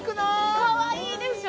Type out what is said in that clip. かわいいでしょ！